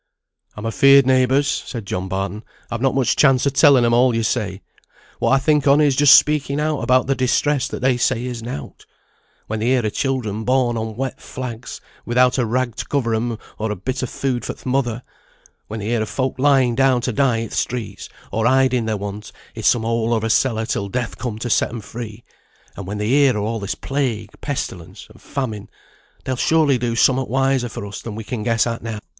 "I'm afeard, neighbours," said John Barton, "I've not much chance o' telling 'em all yo say; what I think on, is just speaking out about the distress that they say is nought. When they hear o' children born on wet flags, without a rag t' cover 'em, or a bit o' food for th' mother; when they hear of folk lying down to die i' th' streets, or hiding their want i' some hole o' a cellar till death come to set 'em free; and when they hear o' all this plague, pestilence, and famine, they'll surely do somewhat wiser for us than we can guess at now.